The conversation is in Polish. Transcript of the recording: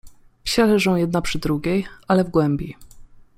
Wsie leżą jedna przy drugiej, ale w głębi.